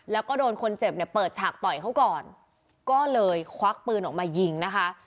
แล้วก็โดนคนเจ็บเนี่ยเปิดฉากต่อยเขาก่อนก็เลยควักปืนออกมายิงนะคะ